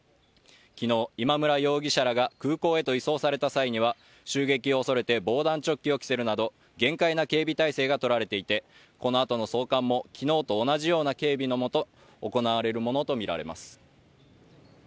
昨日今村容疑者らが空港へと移送された際には襲撃を恐れて防弾チョッキを着せるなど厳戒な警備態勢が取られていてこのあとの送還も昨日と同じような警備の下行われるものと見られます